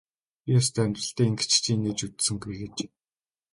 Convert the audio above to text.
Би ёстой амьдралдаа ч ингэж инээж үзсэнгүй гэжээ.